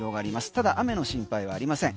ただ雨の心配はありません。